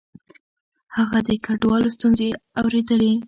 هغه د کډوالو ستونزې اورېدلې.